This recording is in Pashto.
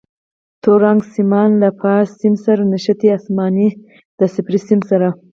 تور رنګ سیمان له فاز سیم سره نښتي، اسماني د صفري سیم سره.